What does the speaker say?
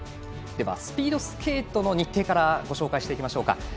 ではスピードスケートの日程からご紹介していきましょうか。